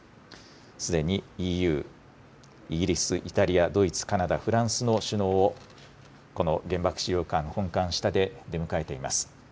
すでにＥＵ、イギリス、イタリア、ドイツ、カナダ、フランスの首脳をこの原爆資料館本館下で出迎えています。